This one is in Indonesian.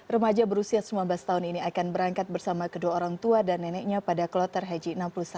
remaja berusia sembilan belas tahun ini akan berangkat bersama kedua orang tua dan neneknya pada kloter haji enam puluh satu